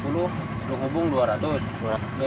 dari ujogilang dua ratus